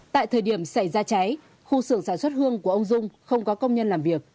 tại thời điểm xảy ra cháy khu xưởng sản xuất hương của ông dung không có công nhân làm việc